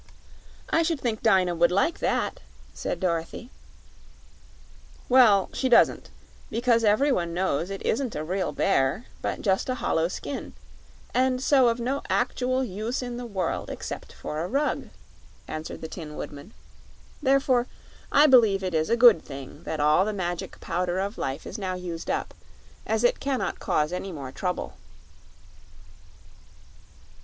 "I should think Dyna would like that," said Dorothy. "Well, she doesn't; because every one knows it isn't a real bear, but just a hollow skin, and so of no actual use in the world except for a rug," answered the Tin Woodman. "Therefore I believe it is a good thing that all the Magic Powder of Life is now used up, as it can not cause any more trouble."